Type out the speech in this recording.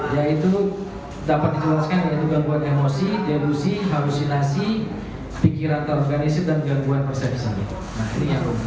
yaitu dapat dijelaskan dengan gangguan emosi delusi halusinasi pikiran terorganisir dan gangguan persep